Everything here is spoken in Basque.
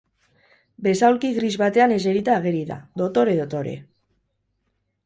Besaulki gris batean eserita ageri da, dotore-dotore.